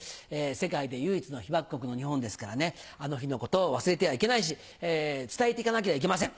世界で唯一の被爆国の日本ですからあの日のことを忘れてはいけないし伝えていかなけりゃいけません。